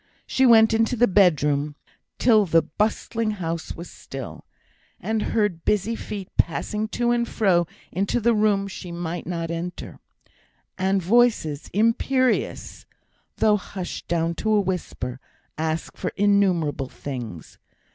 She went into the bedroom till the bustling house was still, and heard busy feet passing to and fro in the room she might not enter; and voices, imperious, though hushed down to a whisper, ask for innumerable things.